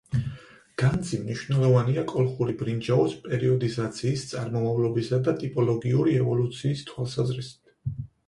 განძი მნიშვნელოვანია კოლხური ბრინჯაოს პერიოდიზაციის, წარმომავლობისა და ტიპოლოგიური ევოლუციის თვალსაზრისით.